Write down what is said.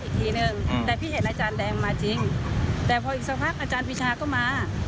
อีกทีนึงแต่พี่เห็นอาจารย์แดงมาจริงแต่พออีกสักพักอาจารย์ปีชาก็มา